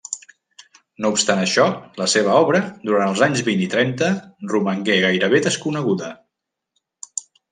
No obstant això, la seva obra, durant els anys vint i trenta, romangué gairebé desconeguda.